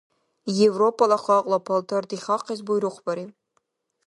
Европала халкьла палтар дихахъес буйрухъбариб.